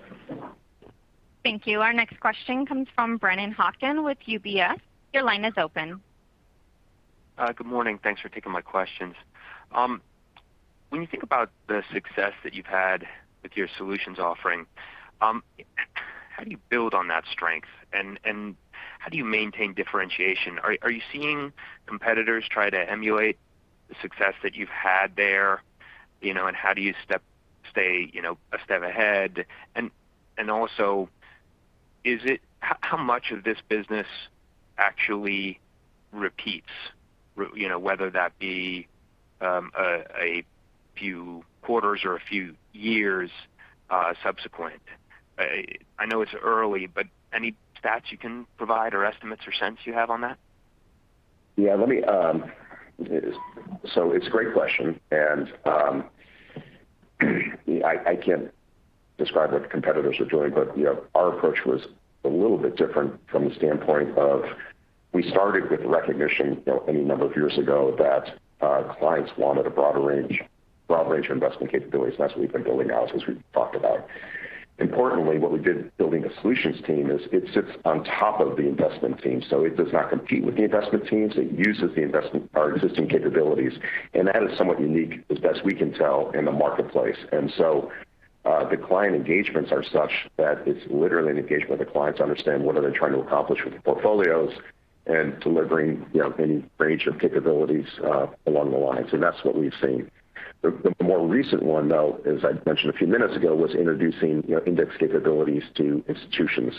Thank you. Our next question comes from Brennan Hawken with UBS. Your line is open. Good morning. Thanks for taking my questions. You think about the success that you've had with your solutions offering, how do you build on that strength? How do you maintain differentiation? Are you seeing competitors try to emulate the success that you've had there? How do you stay a step ahead? How much of this business actually repeats, whether that be a few quarters or a few years subsequent? I know it's early, any stats you can provide or estimates or sense you have on that? Yeah. It's a great question. I can't describe what the competitors are doing. Our approach was a little bit different from the standpoint of, we started with the recognition any number of years ago that our clients wanted a broad range of investment capabilities, and that's what we've been building out as we've talked about. Importantly, what we did building a Solutions team is it sits on top of the investment team. It does not compete with the investment teams. It uses our existing capabilities, that is somewhat unique as best we can tell in the marketplace. The client engagements are such that it's literally an engagement where the clients understand what are they trying to accomplish with the portfolios and delivering any range of capabilities along the lines. That's what we've seen. The more recent one, though, as I mentioned a few minutes ago, was introducing index capabilities to institutions.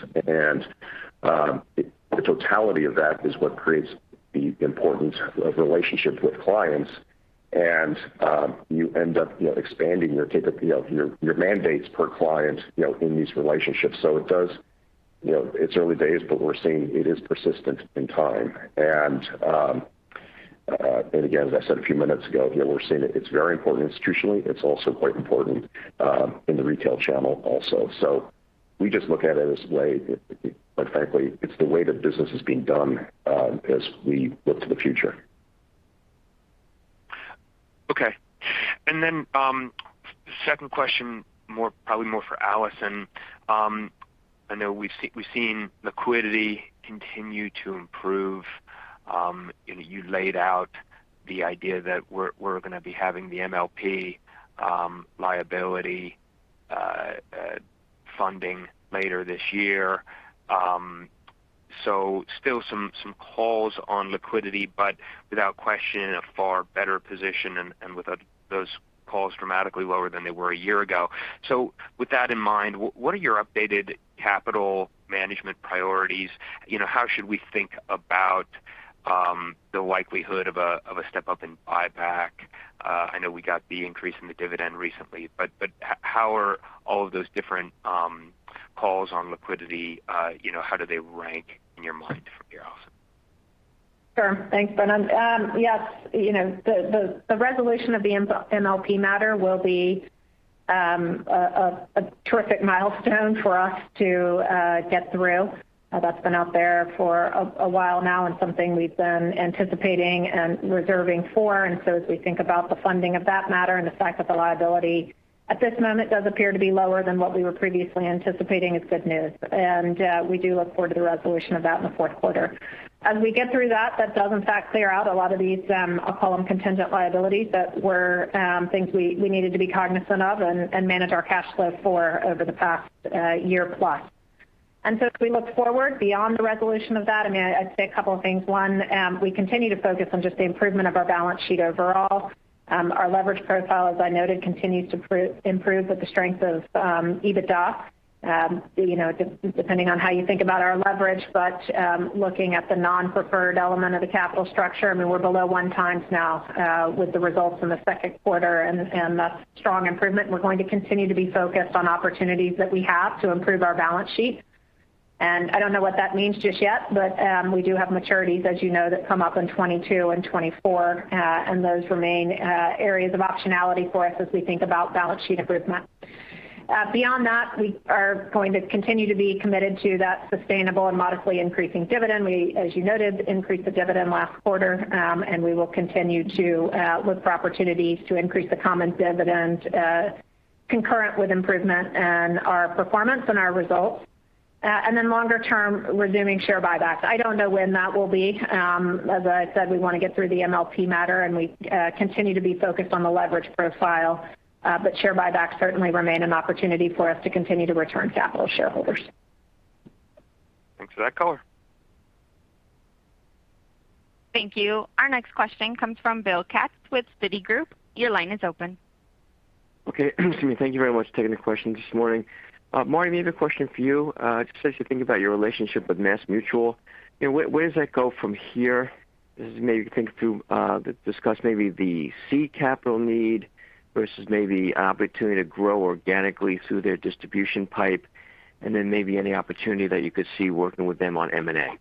The totality of that is what creates the importance of relationships with clients. You end up expanding your mandates per client in these relationships. It's early days, but we're seeing it is persistent in time. Again, as I said a few minutes ago, we're seeing it's very important institutionally. It's also quite important in the retail channel also. We just look at it as the way that business is being done as we look to the future. Okay. Second question, probably more for Allison. I know we've seen liquidity continue to improve. You laid out the idea that we're going to be having the MLP liability funding later this year. Still some calls on liquidity, but without question, in a far better position and with those calls dramatically lower than they were a year ago. With that in mind, what are your updated capital management priorities? How should we think about the likelihood of a step up in buyback? I know we got the increase in the dividend recently. How are all of those different calls on liquidity, how do they rank in your mind for you, Allison? Sure. Thanks, Brennan. Yes, the resolution of the MLP matter will be a terrific milestone for us to get through. That's been out there for a while now and something we've been anticipating and reserving for. As we think about the funding of that matter and the fact that the liability at this moment does appear to be lower than what we were previously anticipating is good news. We do look forward to the resolution of that in the fourth quarter. As we get through that does in fact clear out a lot of these, I'll call them contingent liabilities, that were things we needed to be cognizant of and manage our cash flow for over the past year plus. As we look forward beyond the resolution of that, I'd say a couple of things. One, we continue to focus on just the improvement of our balance sheet overall. Our leverage profile, as I noted, continues to improve with the strength of EBITDA, depending on how you think about our leverage. Looking at the non-preferred element of the capital structure, we're below one time now with the results in the second quarter, and that's strong improvement. We're going to continue to be focused on opportunities that we have to improve our balance sheet. I don't know what that means just yet, we do have maturities, as you know, that come up in 2022 and 2024. Those remain areas of optionality for us as we think about balance sheet improvement. Beyond that, we are going to continue to be committed to that sustainable and modestly increasing dividend. We, as you noted, increased the dividend last quarter. We will continue to look for opportunities to increase the common dividend concurrent with improvement in our performance and our results. Longer-term, resuming share buybacks. I don't know when that will be. As I said, we want to get through the MLP matter, and we continue to be focused on the leverage profile. Share buybacks certainly remain an opportunity for us to continue to return capital to shareholders. Thanks for that color. Thank you. Our next question comes from Bill Katz with Citigroup. Your line is open. Okay. Excuse me. Thank you very much for taking the question this morning. Martin, maybe a question for you. Just as you think about your relationship with MassMutual, where does that go from here? As you maybe think through, discuss maybe the seed capital need versus maybe opportunity to grow organically through their distribution pipe. Maybe any opportunity that you could see working with them on M&A.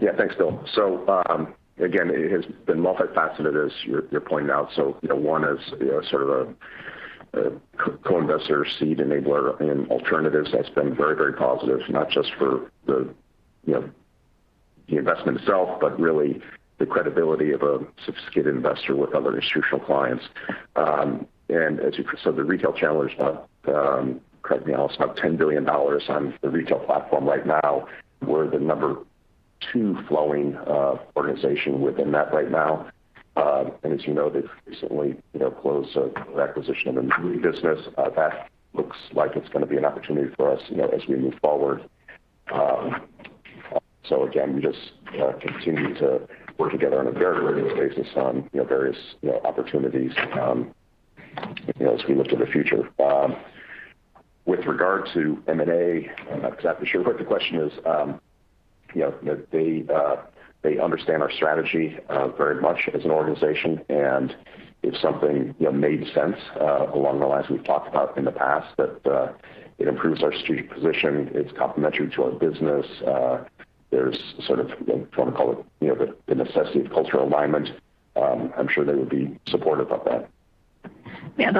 Yeah. Thanks, William Katz. Again, it has been multifaceted, as you're pointing out. One is sort of a co-investor, seed enabler in alternatives. That's been very, very positive, not just for the investment itself, but really the credibility of a sophisticated investor with other institutional clients. As you said, the retail channel is about, correct me, Allison, about $10 billion on the retail platform right now. We're the number two flowing organization within that right now. As you know, they've recently closed an acquisition of the business. That looks like it's going to be an opportunity for us as we move forward. Again, we just continue to work together on a very regular basis on various opportunities as we look to the future. With regard to M&A, I'm not exactly sure what the question is. They understand our strategy very much as an organization. If something made sense along the lines we've talked about in the past that it improves our strategic position, it's complementary to our business. There's sort of, if you want to call it, the necessity of cultural alignment. I'm sure they would be supportive of that. Yeah.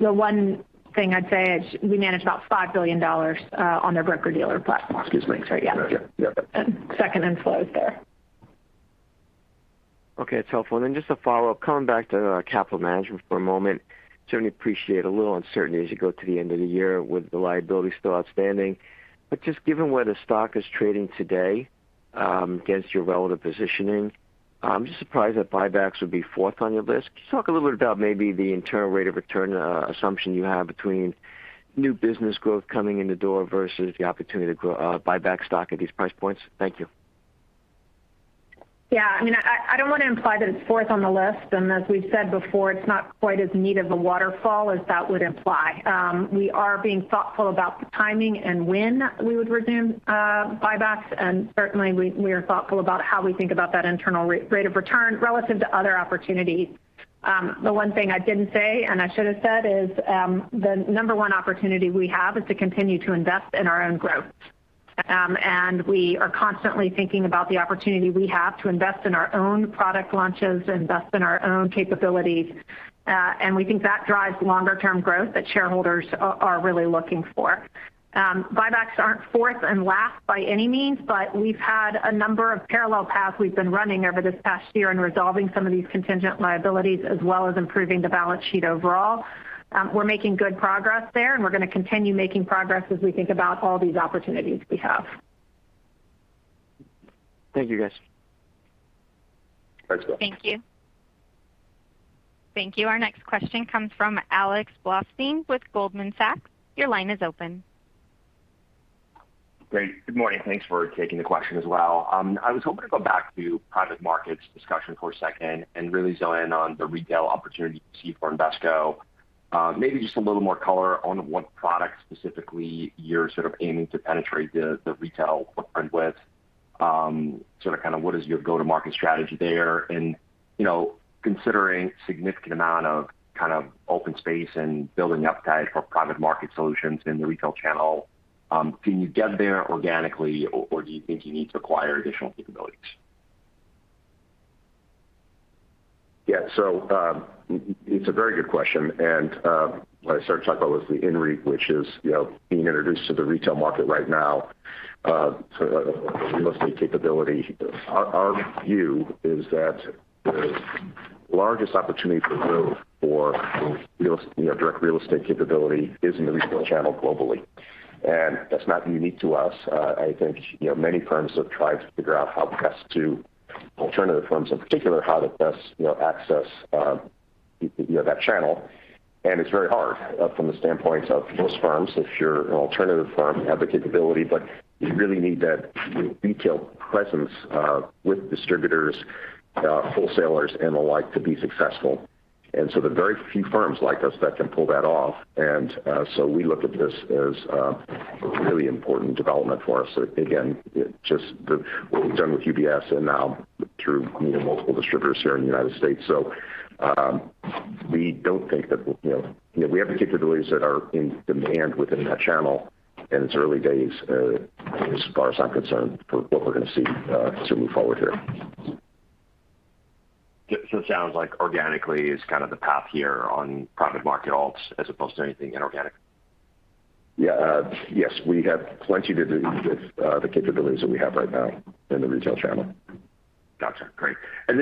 The one thing I'd say is we manage about $5 billion on their broker-dealer platform. Excuse me. Sorry. Yeah. Yeah. Second in flows there. Okay. It's helpful. Just a follow-up, coming back to capital management for a moment. Certainly appreciate a little uncertainty as you go to the end of the year with the liability still outstanding. Just given where the stock is trading today against your relative positioning, I'm just surprised that buybacks would be fourth on your list. Can you talk a little bit about maybe the internal rate of return assumption you have between new business growth coming in the door versus the opportunity to buy back stock at these price points? Thank you. Yeah. I don't want to imply that it's fourth on the list. As we've said before, it's not quite as neat of a waterfall as that would imply. We are being thoughtful about the timing and when we would resume buybacks. Certainly, we are thoughtful about how we think about that internal rate of return relative to other opportunities. The one thing I didn't say, and I should have said, is the number one opportunity we have is to continue to invest in our own growth. We are constantly thinking about the opportunity we have to invest in our own product launches, invest in our own capabilities. We think that drives longer-term growth that shareholders are really looking for. Buybacks aren't fourth and last by any means, but we've had a number of parallel paths we've been running over this past year in resolving some of these contingent liabilities as well as improving the balance sheet overall. We're making good progress there, and we're going to continue making progress as we think about all these opportunities we have. Thank you, guys. Thanks. Thank you. Thank you. Our next question comes from Alexander Blostein with Goldman Sachs. Your line is open. Great. Good morning. Thanks for taking the question as well. I was hoping to go back to private markets discussion for a second and really zone in on the retail opportunity you see for Invesco. Maybe just a little more color on what products specifically you're sort of aiming to penetrate the retail footprint with. Sort of what is your go-to-market strategy there? Considering significant amount of kind of open space and building appetite for private market solutions in the retail channel, can you get there organically or do you think you need to acquire additional capabilities? Yeah. It's a very good question, and what I started to talk about was the INREIT, which is being introduced to the retail market right now. Real estate capability. Our view is that the largest opportunity for growth for direct real estate capability is in the retail channel globally, and that's not unique to us. I think many firms have tried to figure out how best to, alternative firms in particular, how to best access that channel. It's very hard from the standpoint of most firms if you're an alternative firm, have the capability, but you really need that retail presence with distributors, wholesalers, and the like to be successful. There are very few firms like us that can pull that off. We look at this as a really important development for us. Again, just what we've done with UBS and now through multiple distributors here in the U.S. We have capabilities that are in demand within that channel, and it's early days as far as I'm concerned for what we're going to see as we move forward here. It sounds like organically is kind of the path here on private market alts as opposed to anything inorganic. Yes. We have plenty to do with the capabilities that we have right now in the retail channel. Got you. Great.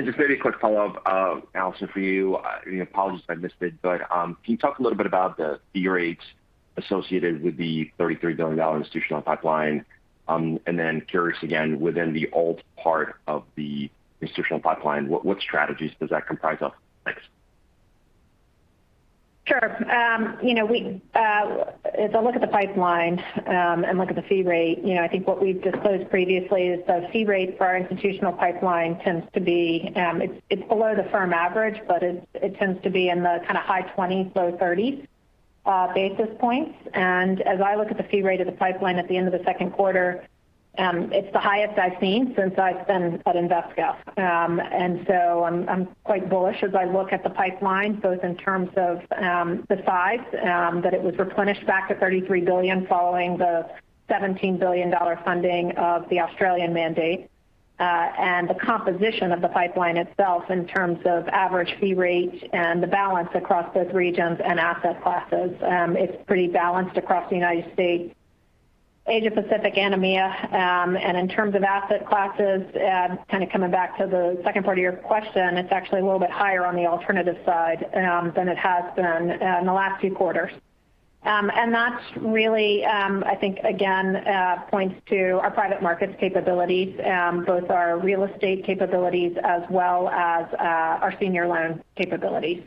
Just maybe a quick follow-up, Allison, for you. Apologies if I missed it, can you talk a little bit about the fee rates associated with the $33 billion institutional pipeline? Curious again, within the alt part of the institutional pipeline, what strategies does that comprise of? Thanks. Sure. As I look at the pipeline and look at the fee rate, I think what we've disclosed previously is the fee rate for our institutional pipeline tends to be, it's below the firm average, but it tends to be in the kind of high 20s, low 30s basis points. As I look at the fee rate of the pipeline at the end of the second quarter, it's the highest I've seen since I've been at Invesco. I'm quite bullish as I look at the pipeline, both in terms of the size that it was replenished back to $33 billion following the $17 billion funding of the Australian mandate, and the composition of the pipeline itself in terms of average fee rate and the balance across those regions and asset classes. It's pretty balanced across the United States, Asia Pacific, and EMEA. In terms of asset classes, kind of coming back to the second part of your question, it's actually a little bit higher on the alternative side than it has been in the last few quarters. That really, I think, again, points to our private markets capabilities, both our real estate capabilities as well as our senior loan capabilities.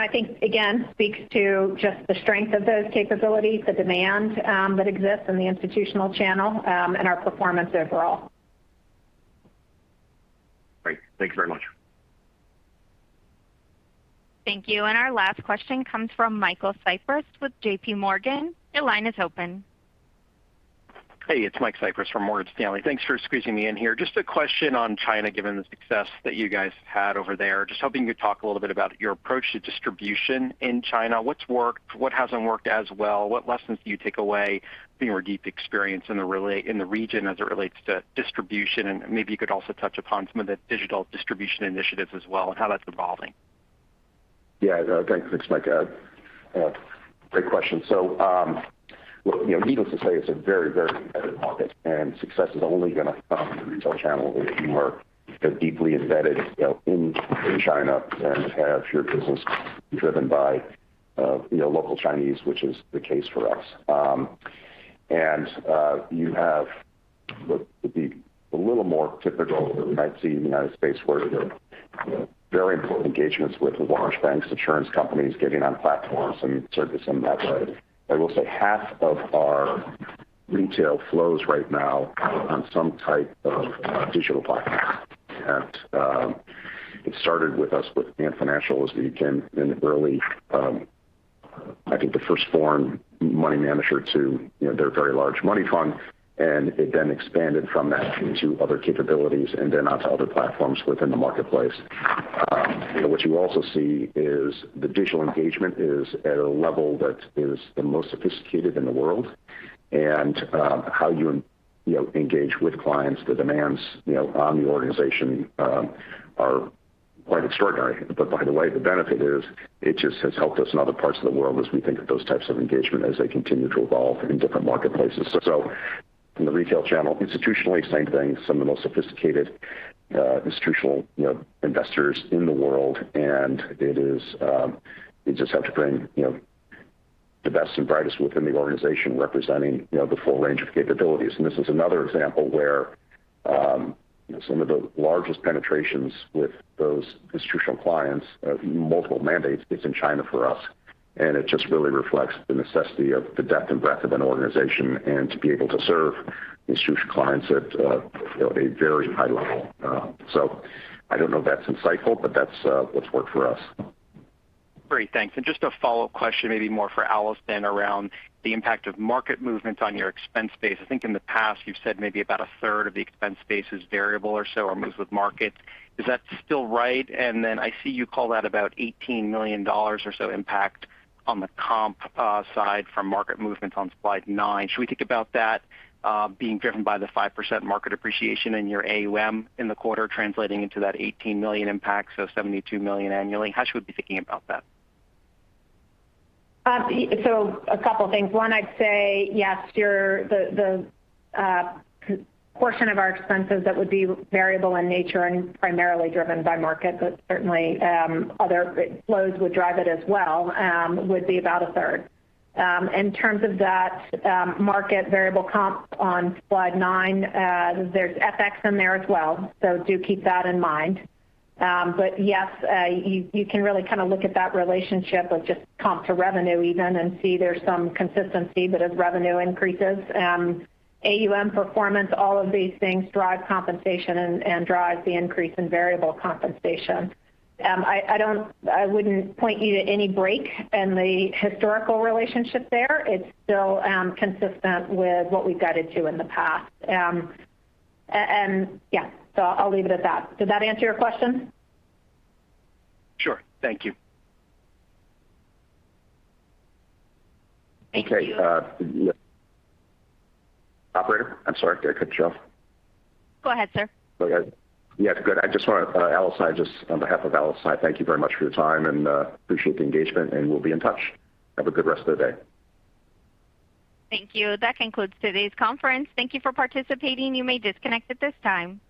I think, again, speaks to just the strength of those capabilities, the demand that exists in the institutional channel, and our performance overall. Great. Thank you very much. Thank you. Our last question comes from Michael Cyprys with J.P. Morgan. Your line is open. Hey, it's Michael Cyprys from Morgan Stanley. Thanks for squeezing me in here. A question on China, given the success that you guys had over there. Hoping you talk a little bit about your approach to distribution in China. What's worked? What hasn't worked as well? What lessons do you take away from your deep experience in the region as it relates to distribution? Maybe you could also touch upon some of the digital distribution initiatives as well and how that's evolving. Yeah. Thanks, Mike. Great question. Needless to say, it's a very competitive market, and success is only going to come from the retail channel if you are deeply embedded in China and have your business driven by local Chinese, which is the case for us. You have what would be a little more typical that we might see in the United States where there are very important engagements with large banks, insurance companies getting on platforms and circuits in that way. I will say half of our retail flows right now on some type of digital platform. It started with us with Ant Group as we began in the early, I think the first foreign money manager to their very large money fund, and it then expanded from that into other capabilities and then onto other platforms within the marketplace. What you also see is the digital engagement is at a level that is the most sophisticated in the world. How you engage with clients, the demands on the organization are quite extraordinary. By the way, the benefit is it just has helped us in other parts of the world as we think of those types of engagement as they continue to evolve in different marketplaces. In the retail channel, institutionally, same thing, some of the most sophisticated institutional investors in the world. You just have to bring the best and brightest within the organization representing the full range of capabilities. This is another example where some of the largest penetrations with those institutional clients, multiple mandates is in China for us. It just really reflects the necessity of the depth and breadth of an organization and to be able to serve institution clients at a very high level. I don't know if that's insightful, but that's what's worked for us. Great, thanks. Just a follow-up question, maybe more for Allison around the impact of market movements on your expense base. I think in the past, you've said maybe about a third of the expense base is variable or so or moves with markets. Is that still right? I see you call that about $18 million or so impact on the comp side from market movements on slide nine. Should we think about that being driven by the 5% market appreciation in your AUM in the quarter translating into that $18 million impact, so $72 million annually? How should we be thinking about that? A couple of things. One, I'd say yes, the portion of our expenses that would be variable in nature and primarily driven by market, but certainly other flows would drive it as well, would be about a third. In terms of that market variable comp on slide nine, there's FX in there as well. Do keep that in mind. Yes, you can really kind of look at that relationship of just comp to revenue even and see there's some consistency, but as revenue increases, AUM performance, all of these things drive compensation and drive the increase in variable compensation. I wouldn't point you to any break in the historical relationship there. It's still consistent with what we've guided to in the past. Yeah, I'll leave it at that. Does that answer your question? Sure. Thank you. Thank you. Okay. Operator? I'm sorry. Did I cut you off? Go ahead, sir. Okay. Yeah, good. I just want to, on behalf of Allison, I thank you very much for your time and appreciate the engagement, and we'll be in touch. Have a good rest of the day. Thank you. That concludes today's conference. Thank you for participating. You may disconnect at this time.